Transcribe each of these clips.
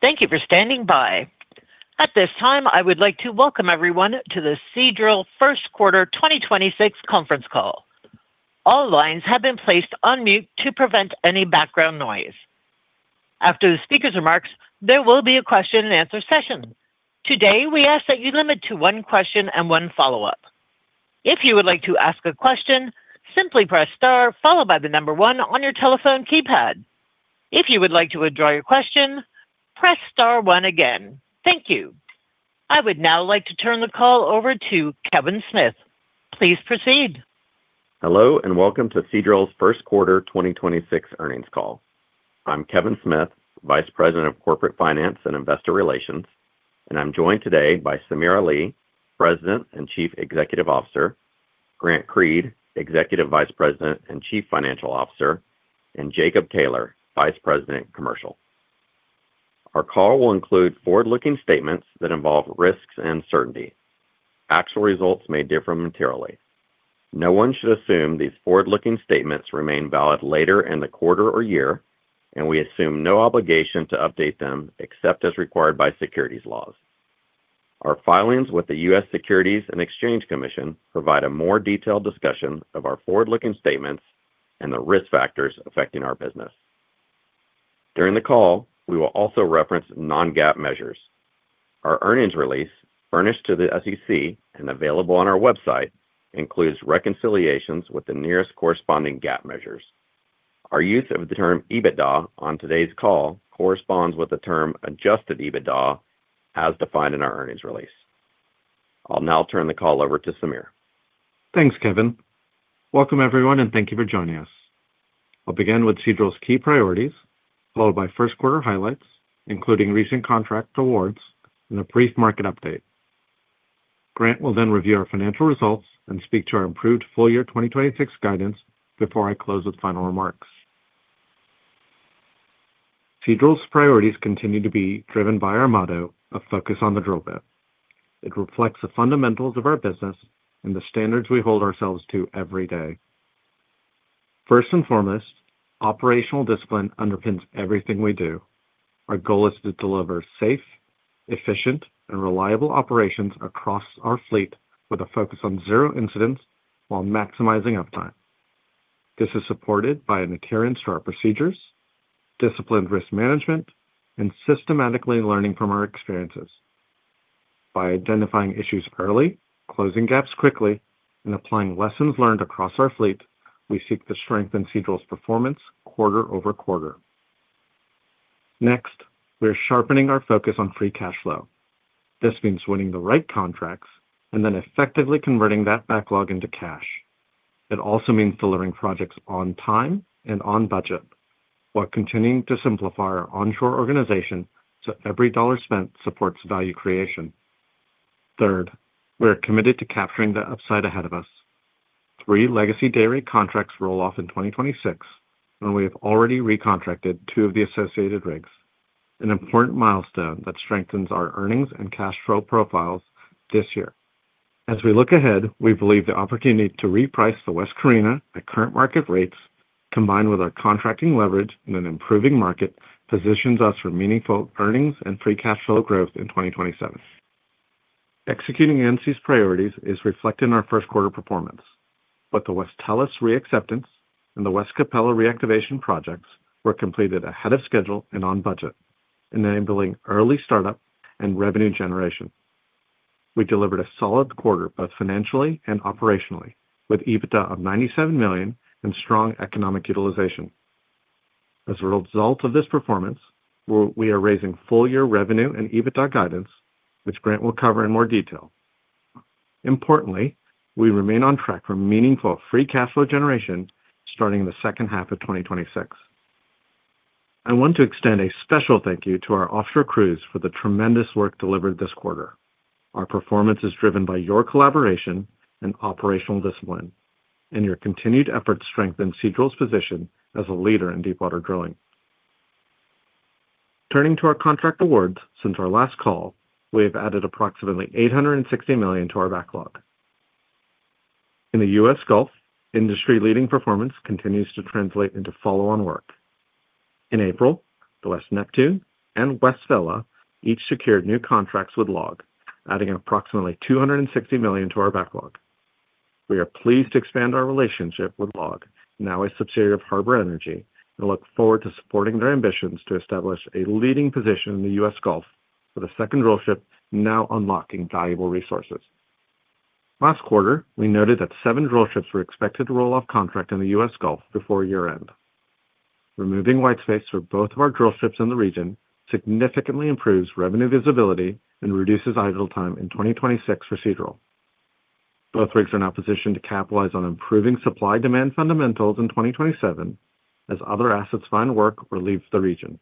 Thank you for standing by. At this time, I would like to welcome everyone to the Seadrill First Quarter 2026 Conference Call. All lines have been placed on mute to prevent any background noise. After the speaker's remarks, there will be a question and answer session. Today, we ask that you limit to one question and one follow-up. If you would like to ask a question, simply press star followed by the number one on your telephone keypad. If you would like to withdraw your question, press star one again. Thank you. I would now like to turn the call over to Kevin Smith. Please proceed. Hello, and welcome to Seadrill's first quarter 2026 earnings call. I'm Kevin Smith, Vice President of Corporate Finance and Investor Relations, and I'm joined today by Samir Ali, President and Chief Executive Officer, Grant Creed, Executive Vice President and Chief Financial Officer, and Jacob Taylor, Vice President, Commercial. Our call will include forward-looking statements that involve risks and uncertainty. Actual results may differ materially. No one should assume these forward-looking statements remain valid later in the quarter or year, and we assume no obligation to update them except as required by securities laws. Our filings with the U.S. Securities and Exchange Commission provide a more detailed discussion of our forward-looking statements and the risk factors affecting our business. During the call, we will also reference non-GAAP measures. Our earnings release, furnished to the SEC and available on our website, includes reconciliations with the nearest corresponding GAAP measures. Our use of the term EBITDA on today's call corresponds with the term adjusted EBITDA as defined in our earnings release. I'll now turn the call over to Samir. Thanks, Kevin. Welcome, everyone, and thank you for joining us. I'll begin with Seadrill's key priorities, followed by first quarter highlights, including recent contract awards and a brief market update. Grant will review our financial results and speak to our improved full-year 2026 guidance before I close with final remarks. Seadrill's priorities continue to be driven by our motto of focus on the drill bit. It reflects the fundamentals of our business and the standards we hold ourselves to every day. First and foremost, operational discipline underpins everything we do. Our goal is to deliver safe, efficient, and reliable operations across our fleet with a focus on zero incidents while maximizing uptime. This is supported by an adherence to our procedures, disciplined risk management, and systematically learning from our experiences. By identifying issues early, closing gaps quickly, and applying lessons learned across our fleet, we seek to strengthen Seadrill's performance quarter over quarter. We're sharpening our focus on free cash flow. This means winning the right contracts and then effectively converting that backlog into cash. It also means delivering projects on time and on budget while continuing to simplify our onshore organization so every dollar spent supports value creation. We're committed to capturing the upside ahead of us. Three legacy day rate contracts roll off in 2026, we have already recontracted two of the associated rigs, an important milestone that strengthens our earnings and cash flow profiles this year. As we look ahead, we believe the opportunity to reprice the West Carina at current market rates, combined with our contracting leverage in an improving market, positions us for meaningful earnings and free cash flow growth in 2027. Executing these priorities is reflected in our first quarter performance. Both the West Tellus reacceptance and the West Capella reactivation projects were completed ahead of schedule and on budget, enabling early startup and revenue generation. We delivered a solid quarter, both financially and operationally, with EBITDA of $97 million and strong economic utilization. As a result of this performance, we are raising full-year revenue and EBITDA guidance, which Grant will cover in more detail. Importantly, we remain on track for meaningful free cash flow generation starting in the second half of 2026. I want to extend a special thank you to our offshore crews for the tremendous work delivered this quarter. Our performance is driven by your collaboration and operational discipline, and your continued efforts strengthen Seadrill's position as a leader in deepwater drilling. Turning to our contract awards, since our last call, we have added approximately $860 million to our backlog. In the U.S. Gulf, industry-leading performance continues to translate into follow-on work. In April, the West Neptune and West Vela each secured new contracts with LLOG, adding approximately $260 million to our backlog. We are pleased to expand our relationship with LLOG, now a subsidiary of Harbour Energy, and look forward to supporting their ambitions to establish a leading position in the U.S. Gulf with a second drillship now unlocking valuable resources. Last quarter, we noted that seven drillships were expected to roll off contract in the U.S. Gulf before year-end. Removing white space for both of our drillships in the region significantly improves revenue visibility and reduces idle time in 2026 for Seadrill. Both rigs are now positioned to capitalize on improving supply-demand fundamentals in 2027 as other assets find work or leave the region.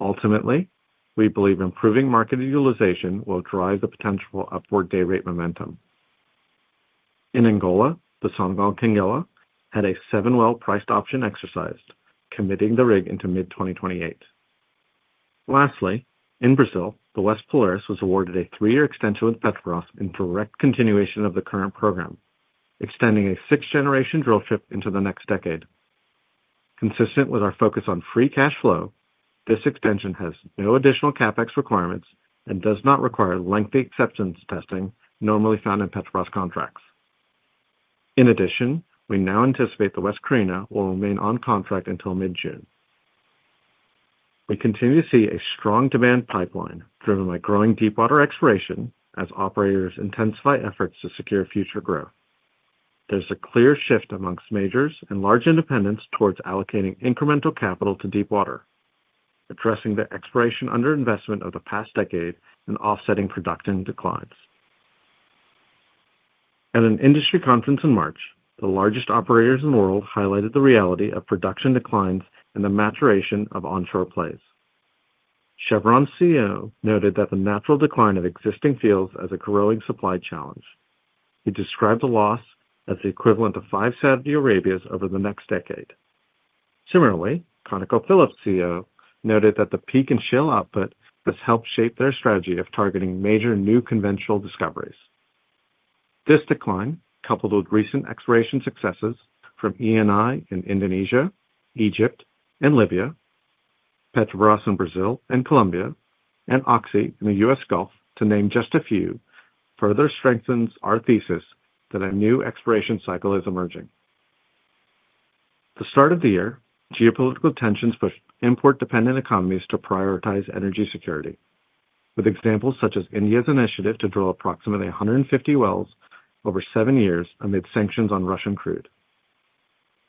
Ultimately, we believe improving market utilization will drive the potential upward day rate momentum. In Angola, the Sonangol Quenguela had a seven-well priced option exercised, committing the rig into mid-2028. Lastly, in Brazil, the West Polaris was awarded a three-year extension with Petrobras in direct continuation of the current program, extending a sixth-generation drillship into the next decade. Consistent with our focus on free cash flow, this extension has no additional CapEx requirements and does not require lengthy acceptance testing normally found in Petrobras contracts. In addition, we now anticipate the West Carina will remain on contract until mid-June. We continue to see a strong demand pipeline driven by growing deepwater exploration as operators intensify efforts to secure future growth. There's a clear shift amongst majors and large independents towards allocating incremental capital to deepwater, addressing the exploration underinvestment of the past decade and offsetting production declines. At an industry conference in March, the largest operators in the world highlighted the reality of production declines and the maturation of onshore plays. Chevron's CEO noted that the natural decline of existing fields as a growing supply challenge. He described the loss as the equivalent of five Saudi Arabias over the next decade. Similarly, ConocoPhillips CEO noted that the peak in shale output has helped shape their strategy of targeting major new conventional discoveries. This decline, coupled with recent exploration successes from Eni in Indonesia, Egypt and Libya, Petrobras in Brazil and Colombia, and Oxy in the U.S. Gulf, to name just a few, further strengthens our thesis that a new exploration cycle is emerging. At the start of the year, geopolitical tensions pushed import-dependent economies to prioritize energy security, with examples such as India's initiative to drill approximately 150 wells over seven years amid sanctions on Russian crude.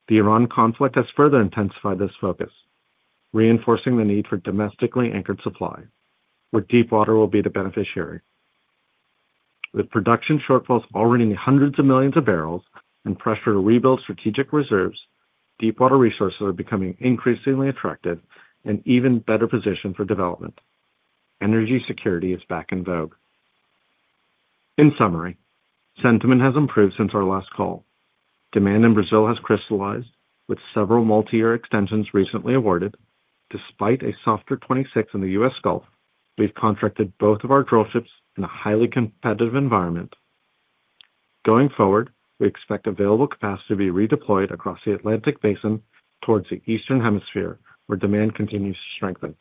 The Iran conflict has further intensified this focus, reinforcing the need for domestically anchored supply, where deepwater will be the beneficiary. With production shortfalls already in the hundreds of millions of barrels and pressure to rebuild strategic reserves, deepwater resources are becoming increasingly attractive and even better positioned for development. Energy security is back in vogue. In summary, sentiment has improved since our last call. Demand in Brazil has crystallized, with several multi-year extensions recently awarded. Despite a softer 2026 in the U.S. Gulf, we've contracted both of our drillships in a highly competitive environment. Going forward, we expect available capacity to be redeployed across the Atlantic Basin towards the Eastern Hemisphere, where demand continues to strengthen.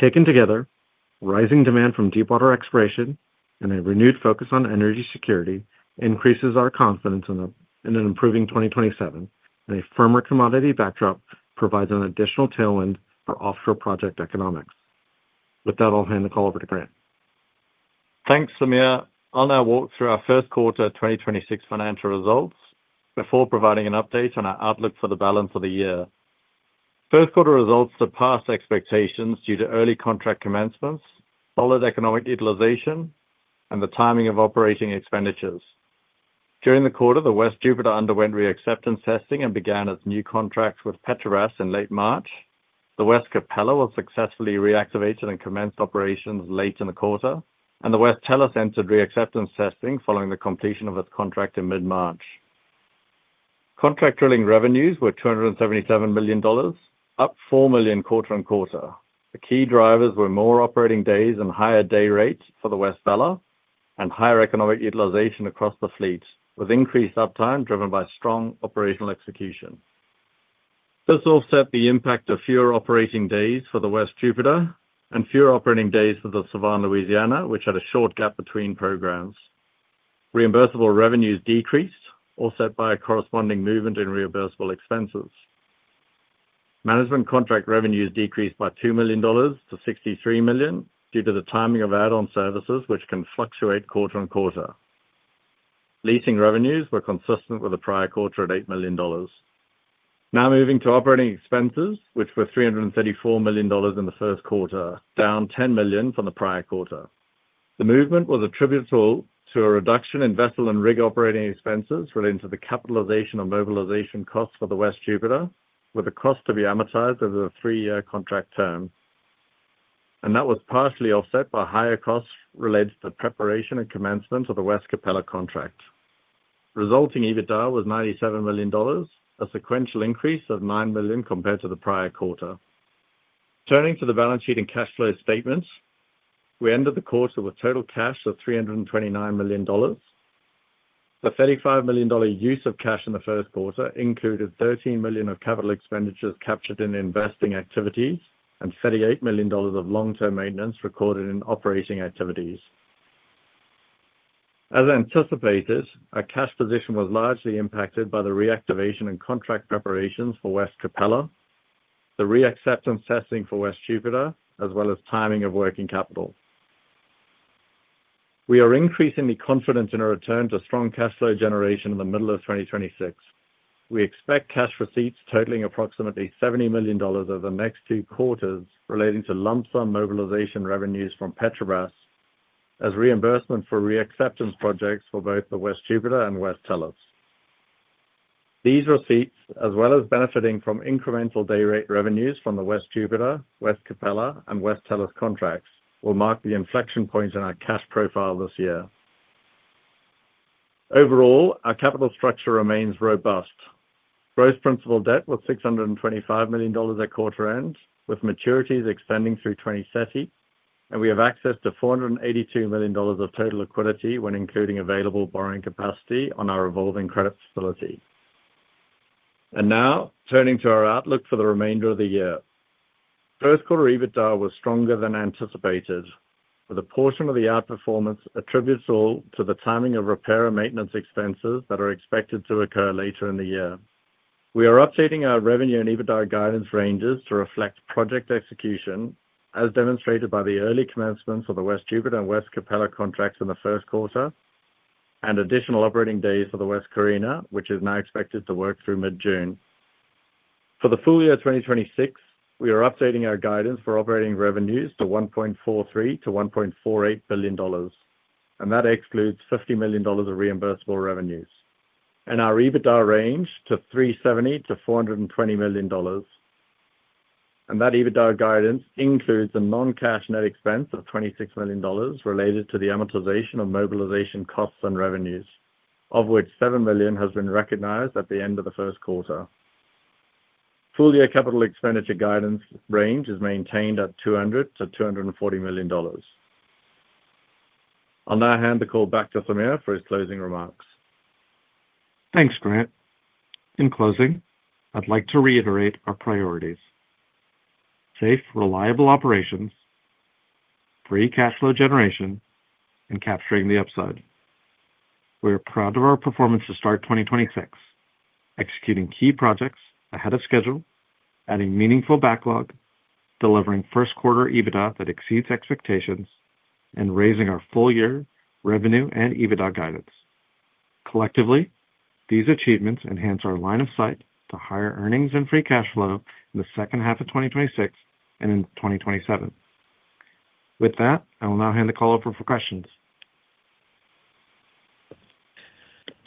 Taken together, rising demand from deepwater exploration and a renewed focus on energy security increases our confidence in an improving 2027, and a firmer commodity backdrop provides an additional tailwind for offshore project economics. With that, I'll hand the call over to Grant. Thanks, Samir. I'll now walk through our first quarter 2026 financial results before providing an update on our outlook for the balance of the year. First quarter results surpassed expectations due to early contract commencements, solid economic utilization, and the timing of operating expenditures. During the quarter, the West Jupiter underwent reacceptance testing and began its new contract with Petrobras in late March. The West Capella was successfully reactivated and commenced operations late in the quarter, and the West Tellus entered reacceptance testing following the completion of its contract in mid-March. Contract drilling revenues were $277 million, up $4 million quarter-on-quarter. The key drivers were more operating days and higher day rates for the West Vela and higher economic utilization across the fleet, with increased uptime driven by strong operational execution. This offset the impact of fewer operating days for the West Jupiter and fewer operating days for the Sevan Louisiana, which had a short gap between programs. Reimbursable revenues decreased, offset by a corresponding movement in reimbursable expenses. Management contract revenues decreased by $2 million to $63 million due to the timing of add-on services, which can fluctuate quarter on quarter. Leasing revenues were consistent with the prior quarter at $8 million. Now moving to operating expenses, which were $334 million in the first quarter, down $10 million from the prior quarter. The movement was attributable to a reduction in vessel and rig operating expenses relating to the capitalization of mobilization costs for the West Jupiter, with the cost to be amortized over the three-year contract term. That was partially offset by higher costs related to the preparation and commencement of the West Capella contract. Resulting EBITDA was $97 million, a sequential increase of $9 million compared to the prior quarter. Turning to the balance sheet and cash flow statements, we ended the quarter with total cash of $329 million. The $35 million use of cash in the first quarter included $13 million of capital expenditures captured in investing activities and $38 million of long-term maintenance recorded in operating activities. As anticipated, our cash position was largely impacted by the reactivation and contract preparations for West Capella, the reacceptance testing for West Jupiter, as well as timing of working capital. We are increasingly confident in a return to strong cash flow generation in the middle of 2026. We expect cash receipts totaling approximately $70 million over the next two quarters relating to lump sum mobilization revenues from Petrobras as reimbursement for reacceptance projects for both the West Jupiter and West Tellus. These receipts, as well as benefiting from incremental day rate revenues from the West Jupiter, West Capella, and West Tellus contracts, will mark the inflection point in our cash profile this year. Overall, our capital structure remains robust. Gross principal debt was $625 million at quarter end, with maturities extending through 2030. We have access to $482 million of total liquidity when including available borrowing capacity on our revolving credit facility. Now turning to our outlook for the remainder of the year. First quarter EBITDA was stronger than anticipated, with a portion of the outperformance attributable to the timing of repair and maintenance expenses that are expected to occur later in the year. We are updating our revenue and EBITDA guidance ranges to reflect project execution, as demonstrated by the early commencement of the West Jupiter and West Capella contracts in the first quarter and additional operating days for the West Carina, which is now expected to work through mid-June. For the full year 2026, we are updating our guidance for operating revenues to $1.43 billion-$1.48 billion, and that excludes $50 million of reimbursable revenues. Our EBITDA range to $370 million-$420 million. That EBITDA guidance includes a non-cash net expense of $26 million related to the amortization of mobilization costs and revenues, of which $7 million has been recognized at the end of the first quarter. Full year capital expenditure guidance range is maintained at $200 million-$240 million. I'll now hand the call back to Samir for his closing remarks. Thanks, Grant. In closing, I'd like to reiterate our priorities: safe, reliable operations, free cash flow generation, and capturing the upside. We are proud of our performance to start 2026, executing key projects ahead of schedule, adding meaningful backlog, delivering first quarter EBITDA that exceeds expectations, and raising our full year revenue and EBITDA guidance. Collectively, these achievements enhance our line of sight to higher earnings and free cash flow in the second half of 2026 and in 2027. With that, I will now hand the call over for questions.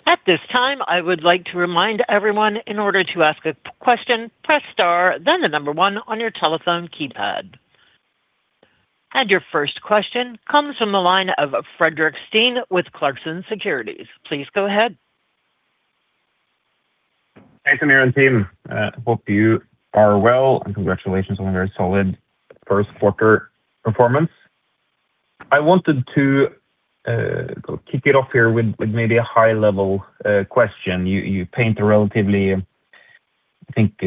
At this time I would like to remind everyone in order to ask question press star then the number one on your telephone keypad. And your first question comes from the line of Fredrik Stene with Clarksons Securities. Please go ahead. Thanks, Samir and team. Hope you are well and congratulations on a very solid first quarter performance. I wanted to kick it off here with maybe a high level question. You, you paint a relatively, I think,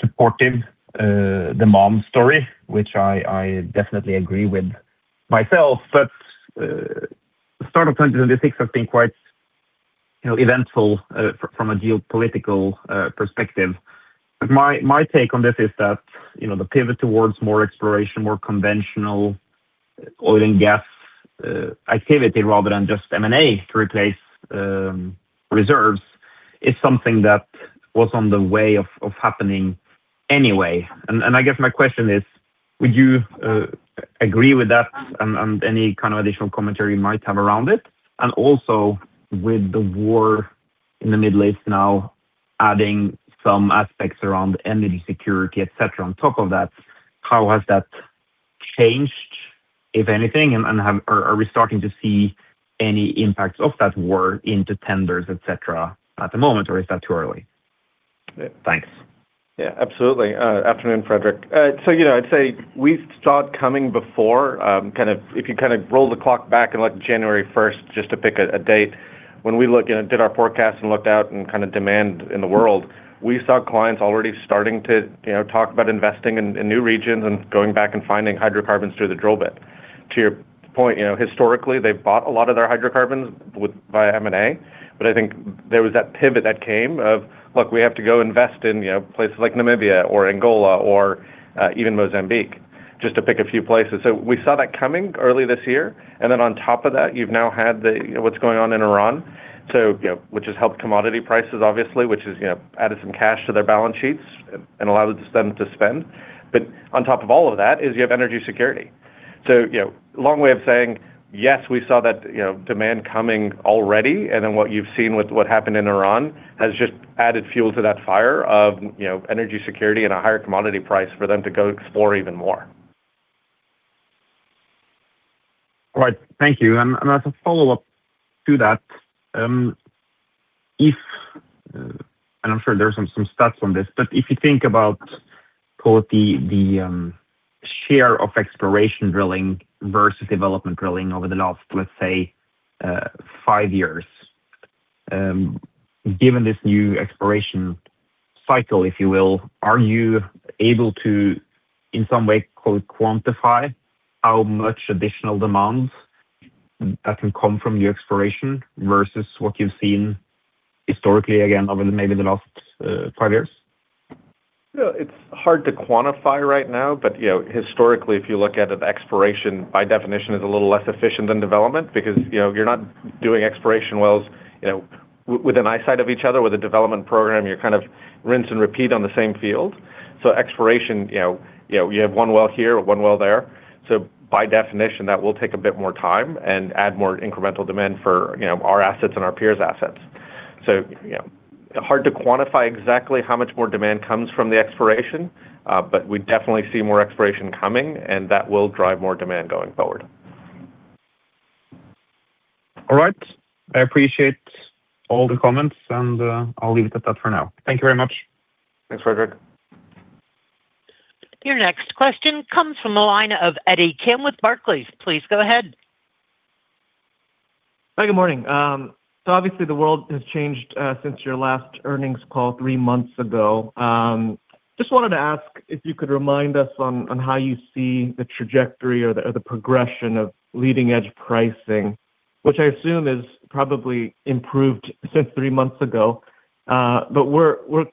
supportive demand story, which I definitely agree with myself. Start of 2026 has been quite, you know, eventful from a geopolitical perspective. My, my take on this is that, you know, the pivot towards more exploration, more conventional oil and gas activity rather than just M&A to replace reserves is something that was on the way of happening anyway. I guess my question is, would you agree with that and any kind of additional commentary you might have around it? Also with the war in the Middle East now adding some aspects around energy security, et cetera, on top of that, how has that changed, if anything? Are we starting to see any impacts of that war into tenders, et cetera, at the moment, or is that too early? Thanks. Yeah, absolutely. Afternoon, Fredrik. You know, I'd say we saw it coming before, if you kind of roll the clock back in like January 1st, just to pick a date. When we look and did our forecast and looked out and demand in the world, we saw clients already starting to, you know, talk about investing in new regions and going back and finding hydrocarbons through the drill bit. To your point, you know, historically, they've bought a lot of their hydrocarbons via M&A, I think there was that pivot that came of, look, we have to go invest in, you know, places like Namibia or Angola or even Mozambique, just to pick a few places. We saw that coming early this year. On top of that, you've now had the, you know, what's going on in Iran. Which has helped commodity prices, obviously, which has, you know, added some cash to their balance sheets and allowed them to spend. On top of all of that is you have energy security. Long way of saying, yes, we saw that, you know, demand coming already, and then what you've seen with what happened in Iran has just added fuel to that fire of, you know, energy security and a higher commodity price for them to go explore even more. All right. Thank you. As a follow-up to that, if, and I am sure there are some stats on this, but if you think about both the share of exploration drilling versus development drilling over the last, let's say, five years, given this new exploration cycle, if you will, are you able to in some way quantify how much additional demand that can come from your exploration versus what you have seen historically again over the maybe the last, five years? You know, it's hard to quantify right now, but you know, historically if you look at it, exploration by definition is a little less efficient than development because, you know, you're not doing exploration wells, with an eyesight of each other. With a development program you kind of rinse and repeat on the same field. Exploration, you know, you have one well here, one well there. By definition that will take a bit more time and add more incremental demand for, you know, our assets and our peers' assets. You know, hard to quantify exactly how much more demand comes from the exploration, but we definitely see more exploration coming and that will drive more demand going forward. All right. I appreciate all the comments, and I'll leave it at that for now. Thank you very much. Thanks, Fredrik. Your next question comes from the line of Eddie Kim with Barclays. Please go ahead. Hi, good morning. Obviously the world has changed since your last earnings call three months ago. Just wanted to ask if you could remind us on how you see the trajectory or the progression of leading-edge pricing, which I assume is probably improved since three months ago. We're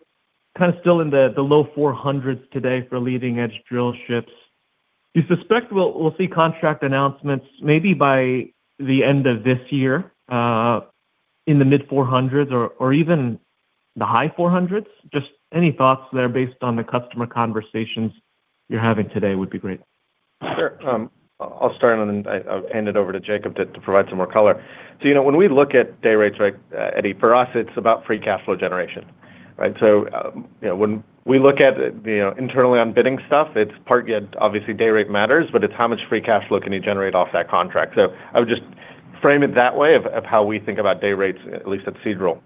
kind of still in the low 400s today for leading-edge drillships. Do you suspect we'll see contract announcements maybe by the end of this year in the mid 400s or even the high 400s? Just any thoughts there based on the customer conversations you're having today would be great. Sure. I'll start on and I'll hand it over to Jacob to provide some more color. You know, when we look at day rates, right, Eddie, for us it's about free cash flow generation, right? You know, when we look at, you know, internally on bidding stuff, obviously day rate matters, but it's how much free cash flow can you generate off that contract? I would just frame it that way of how we think about day rates, at least at Seadrill.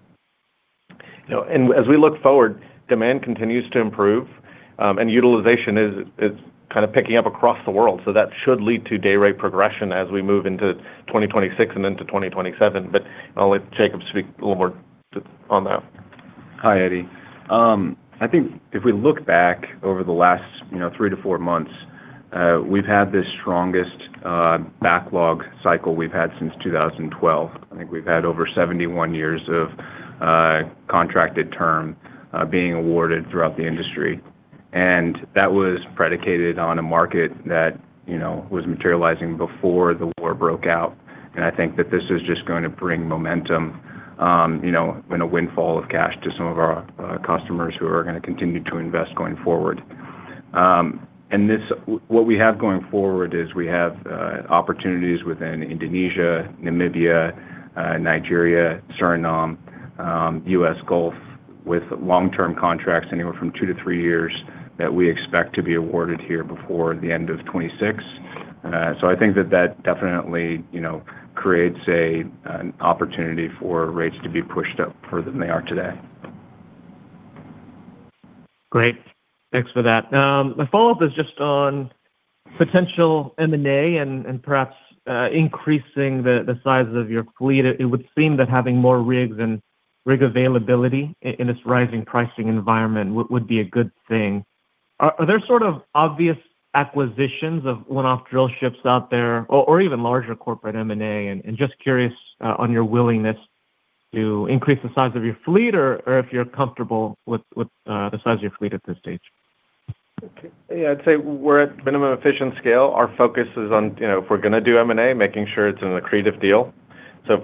You know, as we look forward, demand continues to improve, and utilization is kind of picking up across the world, so that should lead to day rate progression as we move into 2026 and into 2027. I'll let Jacob speak a little more on that. Hi, Eddie. I think if we look back over the last, you know, three to four months, we've had the strongest backlog cycle we've had since 2012. I think we've had over 71 years of contracted term being awarded throughout the industry, that was predicated on a market that, you know, was materializing before the war broke out. I think that this is just going to bring momentum, you know, and a windfall of cash to some of our customers who are gonna continue to invest going forward. What we have going forward is we have opportunities within Indonesia, Namibia, Nigeria, Suriname, U.S. Gulf with long-term contracts anywhere from two to three years that we expect to be awarded here before the end of 2026. I think that that definitely, you know, creates an opportunity for rates to be pushed up further than they are today. Great. Thanks for that. My follow-up is just on potential M&A and perhaps increasing the size of your fleet. It would seem that having more rigs and rig availability in this rising pricing environment would be a good thing. Are there sort of obvious acquisitions of one-off drillships out there or even larger corporate M&A? Just curious on your willingness to increase the size of your fleet or if you're comfortable with the size of your fleet at this stage. Okay. Yeah, I'd say we're at minimum efficient scale. Our focus is on, you know, if we're gonna do M&A, making sure it's an accretive deal.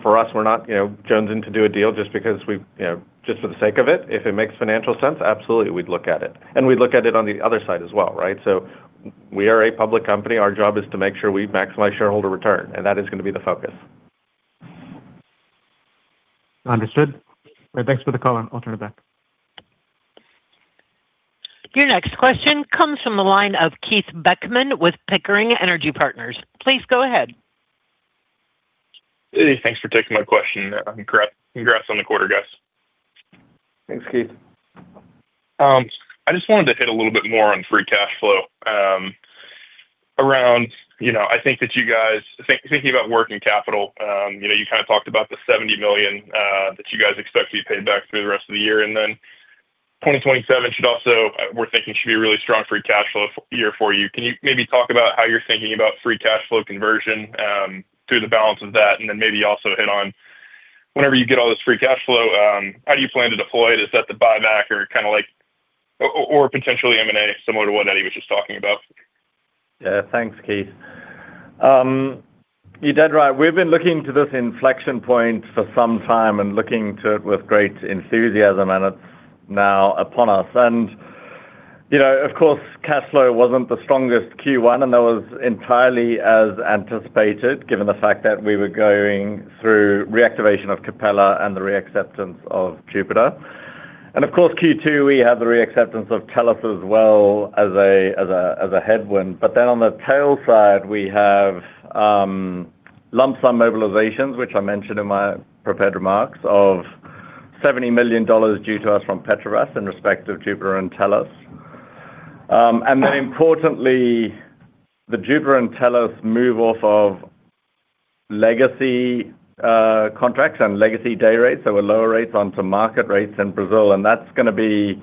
For us, we're not, you know, jonesing to do a deal just because we, you know, just for the sake of it. If it makes financial sense, absolutely, we'd look at it, and we'd look at it on the other side as well, right? We are a public company. Our job is to make sure we maximize shareholder return, and that is gonna be the focus. Understood. Right. Thanks for the color. I'll turn it back. Your next question comes from the line of Keith Beckmann with Pickering Energy Partners. Please go ahead. Eddie, thanks for taking my question. congrats on the quarter, guys. Thanks, Keith. I just wanted to hit a little bit more on free cash flow, around, you know, I think that you guys, thinking about working capital, you know, you kinda talked about the $70 million that you guys expect to be paid back through the rest of the year, and then 2027 should also, we're thinking should be a really strong free cash flow year for you. Can you maybe talk about how you're thinking about free cash flow conversion through the balance of that? And then maybe also hit on whenever you get all this free cash flow, how do you plan to deploy it? Is that the buyback or kinda like or potentially M&A similar to what Eddie was just talking about? Yeah. Thanks, Keith. You're dead right. We've been looking to this inflection point for some time and looking to it with great enthusiasm, and it's now upon us. You know, of course, cash flow wasn't the strongest Q1, and that was entirely as anticipated, given the fact that we were going through reactivation of Capella and the reacceptance of Jupiter. Of course, Q2, we had the reacceptance of Tellus as well as a headwind. On the tail side, we have lump sum mobilizations, which I mentioned in my prepared remarks, of $70 million due to us from Petrobras in respect of Jupiter and Tellus. Importantly, the Jupiter and Tellus move off of legacy contracts and legacy day rates. There were lower rates onto market rates in Brazil. That's gonna be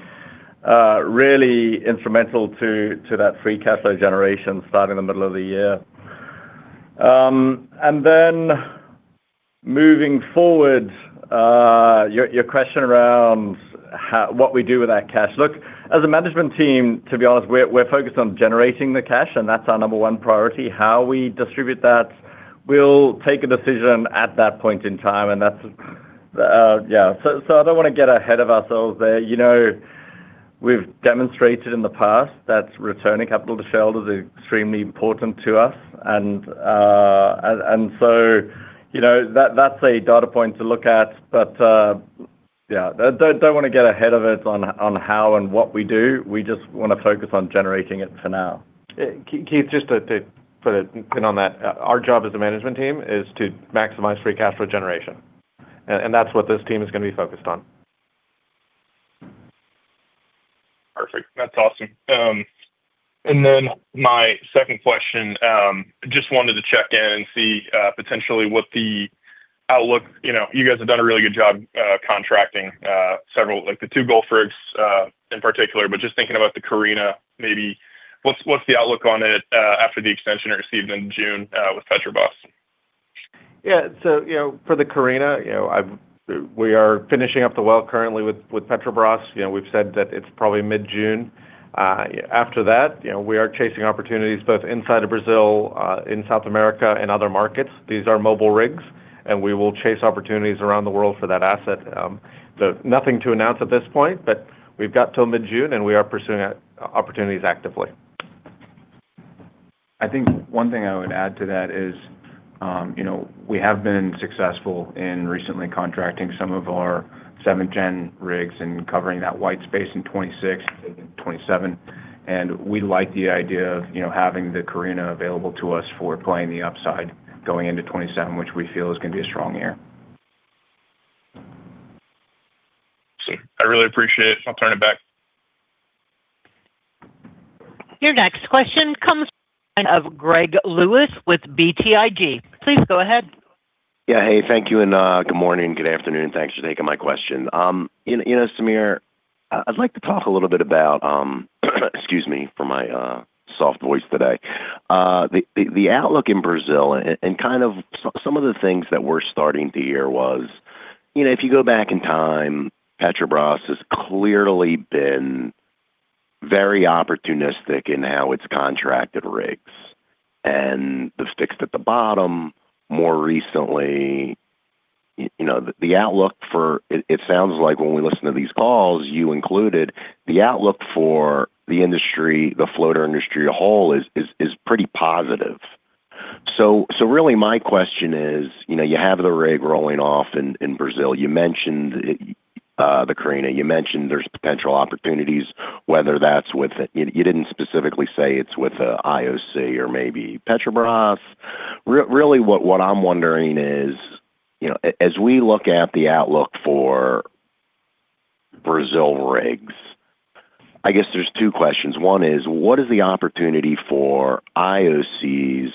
really instrumental to that free cash flow generation starting in the middle of the year. Moving forward, your question around what we do with that cash. Look, as a management team, to be honest, we're focused on generating the cash. That's our number one priority. How we distribute that, we'll take a decision at that point in time. That's, yeah. I don't wanna get ahead of ourselves there. You know, we've demonstrated in the past that returning capital to shareholders is extremely important to us and so, you know, that's a data point to look at. Yeah. Don't wanna get ahead of it on how and what we do. We just wanna focus on generating it for now. Keith, just to put a pin on that, our job as a management team is to maximize free cash flow generation. That's what this team is gonna be focused on. Perfect. That's awesome. My second question, just wanted to check in and see, potentially what the outlook. You know, you guys have done a really good job, contracting, several, like the two Gulf rigs, in particular, but just thinking about the West Carina, maybe what's the outlook on it, after the extension received in June, with Petrobras? you know, for the West Carina, you know, we are finishing up the well currently with Petrobras. You know, we've said that it's probably mid-June. After that, you know, we are chasing opportunities both inside of Brazil, in South America and other markets. These are mobile rigs, and we will chase opportunities around the world for that asset. Nothing to announce at this point, but we've got till mid-June, and we are pursuing opportunities actively. I think one thing I would add to that is, you know, we have been successful in recently contracting some of our seventh-generation rigs and covering that white space in 2026 and in 2027, and we like the idea of, you know, having the Carina available to us for playing the upside going into 2027, which we feel is gonna be a strong year. I see. I really appreciate it. I'll turn it back. Your next question comes of Greg Lewis with BTIG. Please go ahead. Hey, thank you, good morning, good afternoon. Thanks for taking my question. You know, Samir, I'd like to talk a little bit about, excuse me for my soft voice today. The outlook in Brazil and kind of some of the things that we're starting to hear was, you know, if you go back in time, Petrobras has clearly been very opportunistic in how it's contracted rigs and the sticks at the bottom more recently. You know, the outlook for It, it sounds like when we listen to these calls, you included, the outlook for the industry, the floater industry as a whole is pretty positive. Really my question is, you know, you have the rig rolling off in Brazil. You mentioned the Carina. You mentioned there's potential opportunities, whether that's with You didn't specifically say it's with IOC or maybe Petrobras. Really what I'm wondering is, you know, as we look at the outlook for Brazil rigs, I guess there's two questions. One is, what is the opportunity for IOCs?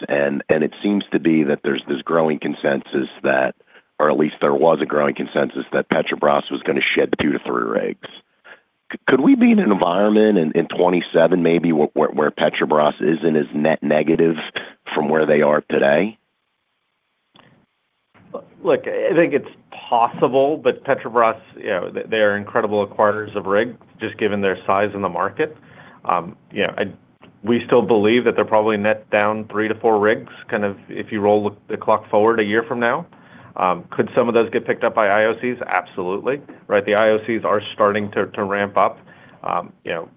It seems to be that there's this growing consensus that, or at least there was a growing consensus that Petrobras was gonna shed two to three rigs. Could we be in an environment in 2027 maybe where Petrobras isn't as negative from where they are today? Look, I think it's possible, Petrobras, you know, they are incredible acquirers of rig, just given their size in the market. You know, we still believe that they're probably net down three to four rigs, kind of if you roll the clock forward a year from now. Could some of those get picked up by IOCs? Absolutely, right? The IOCs are starting to ramp up. You know,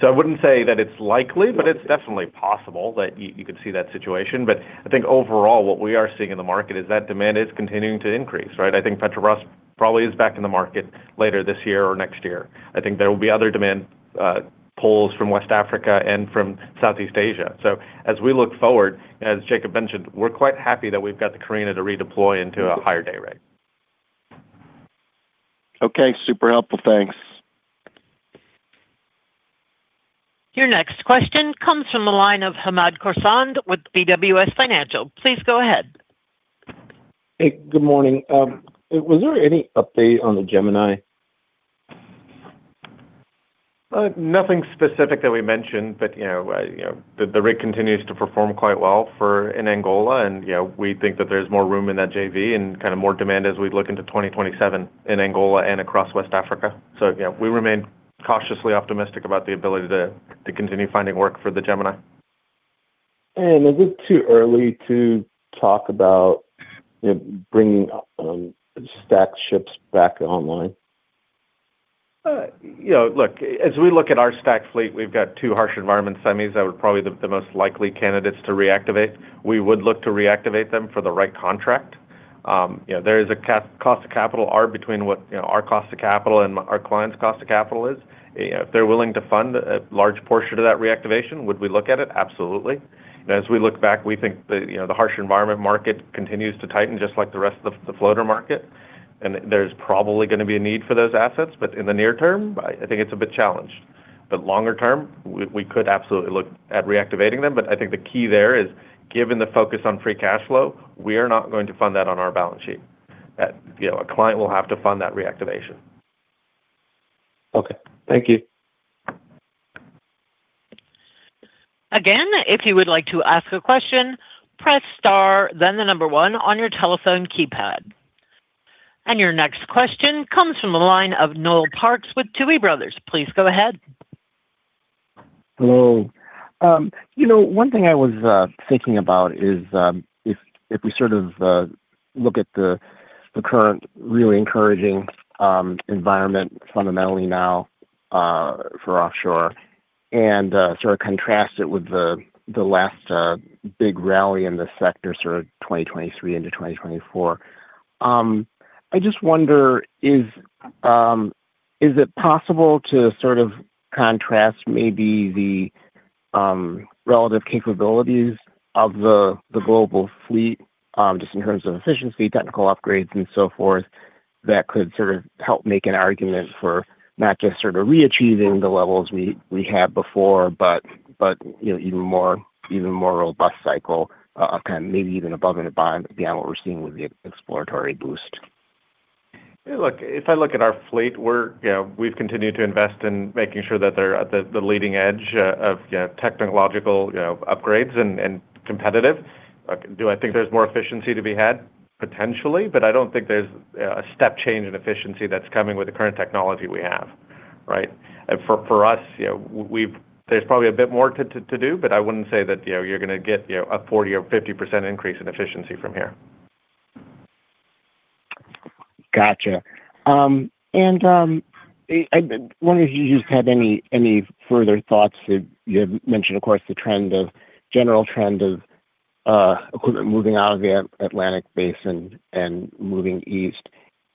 I wouldn't say that it's likely. Right It's definitely possible that you could see that situation. I think overall what we are seeing in the market is that demand is continuing to increase, right? I think Petrobras probably is back in the market later this year or next year. I think there will be other demand pools from West Africa and from Southeast Asia. As we look forward, as Jacob mentioned, we're quite happy that we've got the West Carina to redeploy into a higher day rate. Okay. Super helpful. Thanks. Your next question comes from the line of Hamed Khorsand with BWS Financial. Please go ahead. Hey, good morning. Was there any update on the Gemini? Nothing specific that we mentioned, but, you know, you know, the rig continues to perform quite well for in Angola. We think that there's more room in that JV and kind of more demand as we look into 2027 in Angola and across West Africa. We remain cautiously optimistic about the ability to continue finding work for the Gemini. Is it too early to talk about, you know, bringing, stacked ships back online? You know, look, as we look at our stacked fleet, we've got two harsh environment semis that are probably the most likely candidates to reactivate. We would look to reactivate them for the right contract. You know, there is a cost of capital arb between what, you know, our cost of capital and our client's cost of capital is. You know, if they're willing to fund a large portion of that reactivation, would we look at it? Absolutely. As we look back, we think the, you know, the harsher environment market continues to tighten just like the rest of the floater market, and there's probably gonna be a need for those assets. In the near term, I think it's a bit challenged. Longer term, we could absolutely look at reactivating them. I think the key there is, given the focus on free cash flow, we are not going to fund that on our balance sheet. That, you know, a client will have to fund that reactivation. Okay. Thank you. Again, if you would like to ask a question, press star then the number one on your telephone keypad. Your next question comes from the line of Noel Parks with Tuohy Brothers. Please go ahead. Hello. You know, one thing I was thinking about is if we sort of look at the current really encouraging environment fundamentally now for offshore. Sort of contrast it with the last big rally in the sector sort of 2023 into 2024. I just wonder, is it possible to sort of contrast maybe the relative capabilities of the global fleet, just in terms of efficiency, technical upgrades, and so forth that could sort of help make an argument for not just sort of re-achieving the levels we had before, but, you know, even more robust cycle of kind of maybe even above and beyond what we're seeing with the exploratory boost? Look, if I look at our fleet work, you know, we've continued to invest in making sure that they're at the leading edge, of, you know, technological, you know, upgrades and competitive. Do I think there's more efficiency to be had? Potentially, but I don't think there's a step change in efficiency that's coming with the current technology we have, right? For, for us, you know, there's probably a bit more to do, but I wouldn't say that, you know, you're gonna get, you know, a 40% or 50% increase in efficiency from here. Gotcha. I wonder if you just had any further thoughts. You had mentioned, of course, the general trend of equipment moving out of the Atlantic basin and moving east.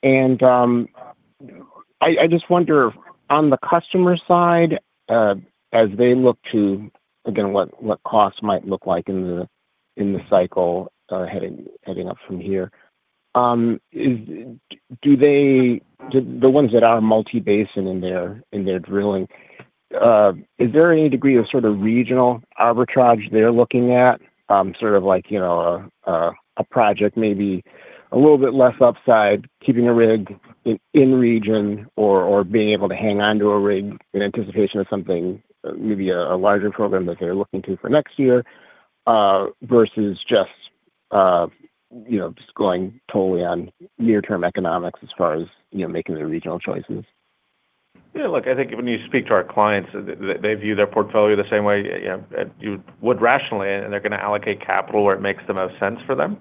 I just wonder on the customer side, as they look to again, what costs might look like in the cycle heading up from here, the ones that are multi-basin in their drilling, is there any degree of sort of regional arbitrage they're looking at? Sort of like, you know, a project maybe a little bit less upside, keeping a rig in region or being able to hang on to a rig in anticipation of something, maybe a larger program that they're looking to for next year, versus just, you know, just going totally on near-term economics as far as, you know, making the regional choices. Yeah, look, I think when you speak to our clients, they view their portfolio the same way, you know, you would rationally, they're gonna allocate capital where it makes the most sense for them.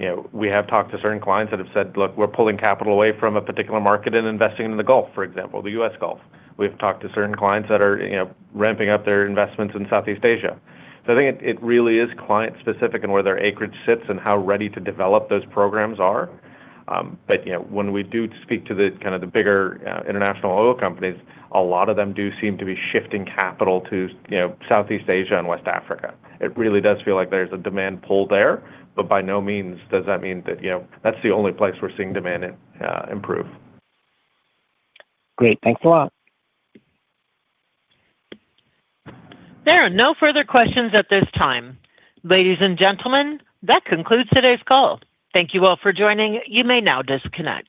You know, we have talked to certain clients that have said, "Look, we're pulling capital away from a particular market and investing in the Gulf," for example, the U.S. Gulf. We've talked to certain clients that are, you know, ramping up their investments in Southeast Asia. I think it really is client-specific and where their acreage sits and how ready to develop those programs are. You know, when we do speak to the kind of the bigger international oil companies, a lot of them do seem to be shifting capital to, you know, Southeast Asia and West Africa. It really does feel like there's a demand pull there, but by no means does that mean that, you know, that's the only place we're seeing demand improve. Great. Thanks a lot. There are no further questions at this time. Ladies and gentlemen, that concludes today's call. Thank you all for joining. You may now disconnect.